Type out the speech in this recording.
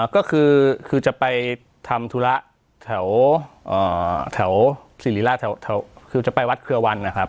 ก็คือจะไปทำธุระแถวศิริราชแถวคือจะไปวัดเครือวันนะครับ